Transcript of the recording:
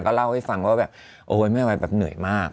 เล่าให้ฟังว่าแบบโอ๊ยแม่วัยแบบเหนื่อยมาก